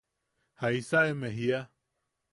¿Jaisa eme jiia?